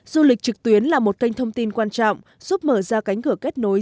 du lịch trực tuyến là một kênh thông tin quan trọng giúp mở ra cánh cửa kết nối